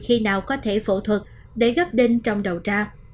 khi nào có thể phẫu thuật để gấp đinh trong đầu ra